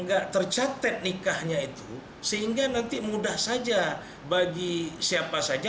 enggak tercatat nikahnya itu sehingga nanti mudah saja bagi siapa saja